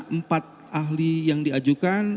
empat ahli yang diajukan